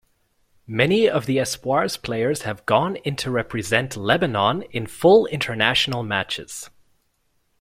Many of the Espoirs players have gone into represent Lebanon in full international matches.